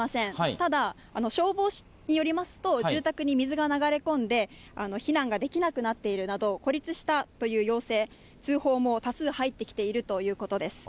ただ、消防によりますと、住宅に水が流れ込んで、避難ができなくなっているなど、孤立したという要請、通報も多数入ってきているということです。